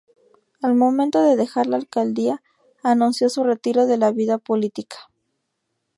Al momento de dejar la alcaldía anunció su retiro de la vida política.